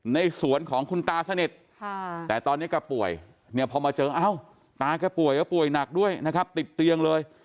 ในสวนของคุณตาสนิทแต่ตอนนี้แกป่วยเนี่ยพอมาเจอเอ้าตาแกป่วยก็ป่วยหนักด้วยนะครับติดเตียงเลย